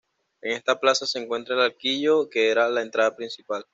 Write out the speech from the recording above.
En esta plaza se encuentra el arquillo, que era la entrada principal.